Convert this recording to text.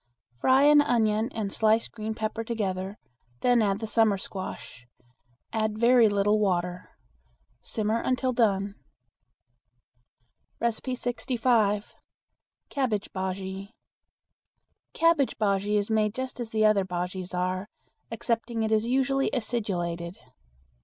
Fry an onion and sliced green pepper together; then add the summer squash. Add very little water. Simmer until done. 65. Cabbage Bujea. Cabbage bujea is made just as other bujeas are, excepting it is usually acidulated.